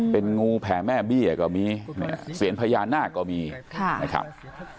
เป็นงูแผ่แม่เบี้ยก็มีเนี่ยเสียงพญานาคก็มีนะครับ